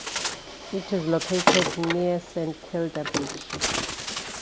It is located near Saint Kilda Beach.